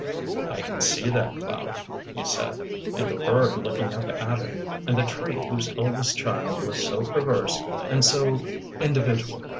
"I can see that cloud," he said, "and the bird looking up at it, and the tree whose eldest child was so perverse and so individual."